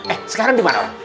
eh sekarang dimana orang